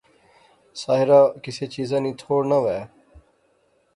ساحرہ کسے چیزا نی تھوڑ نہ وہے